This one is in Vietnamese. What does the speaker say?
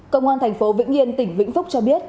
công an thành phố vĩnh yên tỉnh vĩnh phúc cho biết